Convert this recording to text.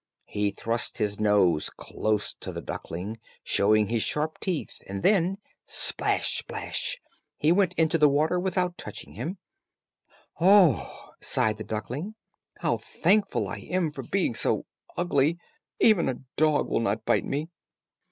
He thrust his nose close to the duckling, showing his sharp teeth, and then, "splash, splash," he went into the water without touching him, "Oh," sighed the duckling, "how thankful I am for being so ugly; even a dog will not bite me."